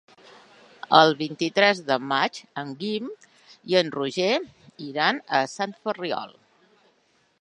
El vint-i-tres de maig en Guim i en Roger iran a Sant Ferriol.